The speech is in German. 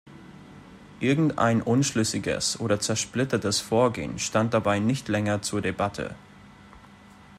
Irgendein unschlüssiges oder zersplittertes Vorgehen stand dabei nicht länger zur Debatte.